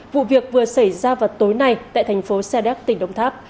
vụ việc vừa xảy ra vào tối nay tại thành phố sa đéc tỉnh đông tháp